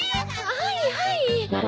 はいはい。